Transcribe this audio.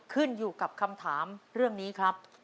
ขึ้นอยู่กับคำถามเรื่องนี้ครับ